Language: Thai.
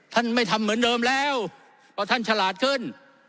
ไม่ทำเหมือนเดิมแล้วเพราะท่านฉลาดขึ้น